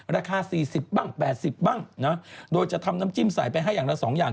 ราคา๔๐บ้าง๘๐บ้างนะโดยจะทำน้ำจิ้มใส่ไปให้อย่างละ๒อย่าง